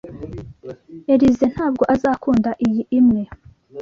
Elyse ntabwo azakunda iyi imwe.